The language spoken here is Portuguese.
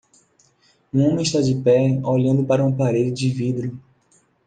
Um homem está de pé olhando para uma parede de vidro.